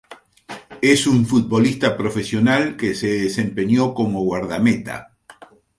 Es un futbolista profesional que se desempeñó como guardameta.